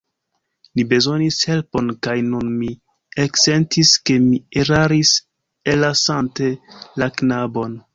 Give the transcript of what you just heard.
Ni bezonis helpon, kaj nun mi eksentis, ke mi eraris, ellasante la knabon.